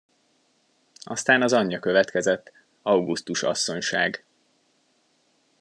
Aztán az anyja következett, Augusztus asszonyság.